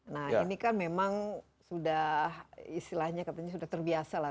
nah ini kan memang sudah istilahnya katanya sudah terbiasa lah